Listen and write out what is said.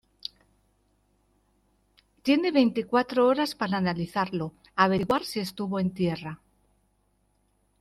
tiene veinticuatro horas para analizarlo, averiguar si estuvo en tierra